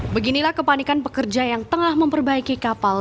beginilah kepanikan pekerja yang tengah memperbaiki kapal